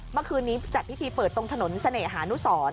เมื่อคืนนี้จัดพิธีเปิดตรงถนนเสน่หานุสร